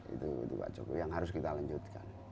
itu yang harus kita lanjutkan